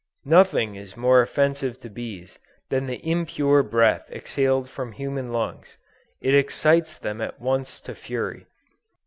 Nothing is more offensive to bees than the impure breath exhaled from human lungs; it excites them at once to fury.